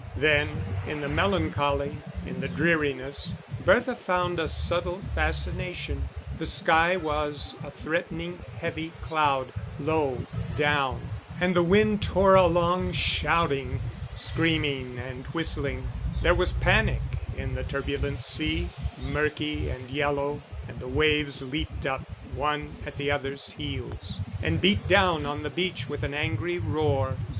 Then, in the melancholy, in the dreariness, Bertha found a subtle fascination. The sky was a threatening heavy cloud, low down; and the wind tore along shouting, screaming, and whistling: there was panic in the turbulent sea, murky and yellow, and the waves leaped up, one at the other's heels, and beat down on the beach with an angry roar.